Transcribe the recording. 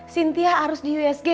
sintia harus di usg